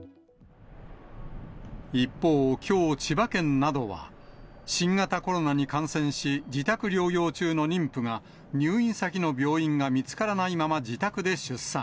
一方、きょう千葉県などは、新型コロナに感染し、自宅療養中の妊婦が、入院先の病院が見つからないまま自宅で出産。